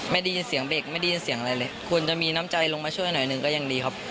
ไม่ได้ยินเสียงเบรกไม่ได้ยินเสียงอะไรเลยควรจะมีน้ำใจลงมาช่วยหน่อยหนึ่งก็ยังดีครับ